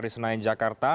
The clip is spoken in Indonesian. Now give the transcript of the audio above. di senayan jakarta